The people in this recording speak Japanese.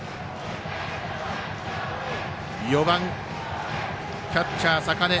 ４番、キャッチャー、坂根。